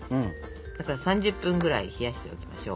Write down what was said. だから３０分ぐらい冷やしておきましょう。